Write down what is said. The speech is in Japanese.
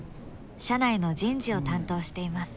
社内の人事を担当しています。